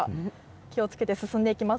気をつけて進んでいきます。